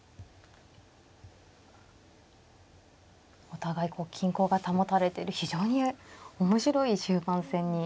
お互いこう均衡が保たれてる非常に面白い終盤戦に。